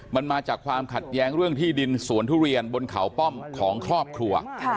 มันมาจากความขัดแย้งเรื่องที่ดินสวนทุเรียนบนเขาป้อมของครอบครัว